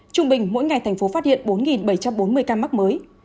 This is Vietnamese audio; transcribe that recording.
trung bình mỗi ngày thành phố phát hiện bốn bảy trăm bốn mươi ca mắc mới